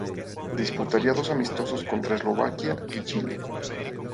Disputaría dos amistosos contra Eslovaquia y Chile.